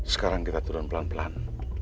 sekarang kita turun pelan pelan